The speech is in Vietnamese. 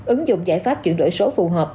ứng dụng giải pháp chuyển đổi số phù hợp